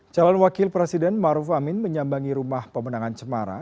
calon wakil presiden maruf amin menyambangi rumah pemenangan cemara